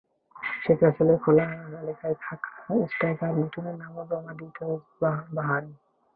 শেখ রাসেলের খেলোয়াড় তালিকায় থাকা স্ট্রাইকার মিঠুনের নামও জমা দিয়েছে আবাহনী।